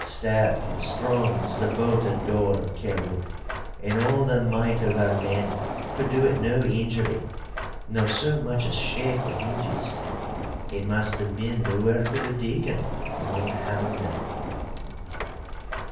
Stark and strong was the bolted door of Kelwood, and all the might of our men could do it no injury, nor so much as shake the hinges. It must have been the work of a deacon among the hammermen.